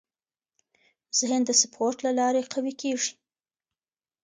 ذهن د سپورت له لارې قوي کېږي.